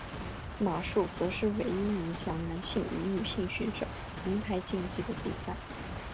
马术则是唯一一项男性和女性选手同台竞技的比赛。